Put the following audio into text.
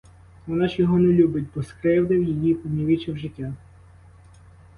Вона ж його не любить, бо скривдив її, понівечив життя.